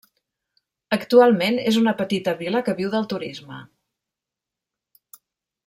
Actualment és una petita vila que viu del turisme.